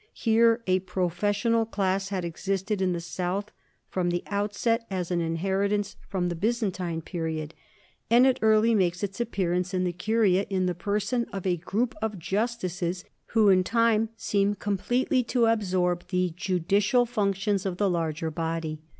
Here a professional class had existed in the south from the outset as an inheritance from the Byzantine period, 228 NORMANS IN EUROPEAN HISTORY and it early makes its appearance in the curia in the person of a group of justices who in time seem com pletely to absorb the judicial functions of the larger body.